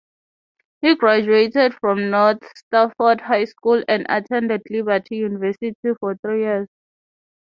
He graduated from North Stafford High School and attended Liberty University for three years.